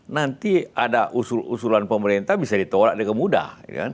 nanti ada usul usulan pemerintah bisa ditolak dengan mudah